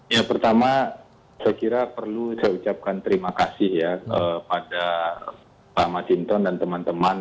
ya pertama saya kira perlu saya ucapkan terima kasih ya pada pak masinton dan teman teman